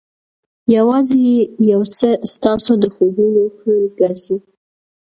یوازې یو څه ستاسو د خوبونو خنډ ګرځي.